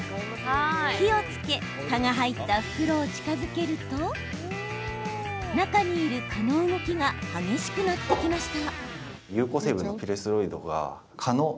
火をつけ蚊が入った袋を近づけると中にいる蚊の動きが激しくなってきました。